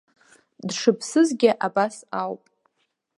Дшыԥсызгьы абас ауп…